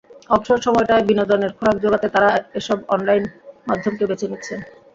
অবসর সময়টায় বিনোদনের খোরাক জোগাতে তারা এসব অনলাইন মাধ্যমকে বেছে নিচ্ছেন।